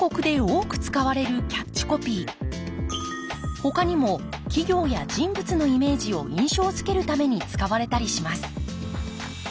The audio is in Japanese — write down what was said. ほかにも企業や人物のイメージを印象づけるために使われたりします